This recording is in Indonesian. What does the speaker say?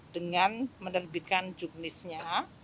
dengan menerbitkan juknisnya